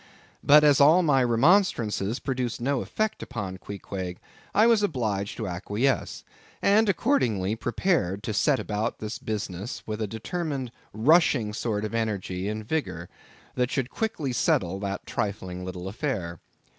But as all my remonstrances produced no effect upon Queequeg, I was obliged to acquiesce; and accordingly prepared to set about this business with a determined rushing sort of energy and vigor, that should quickly settle that trifling little affair.